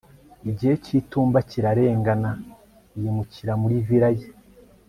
Igihe cyitumba kirarengana yimukira muri villa ye